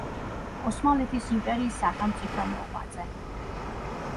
ოსმალეთის იმპერიის სახელმწიფო მოღვაწე.